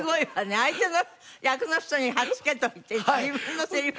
相手の役の人に貼っ付けといて自分のセリフの時。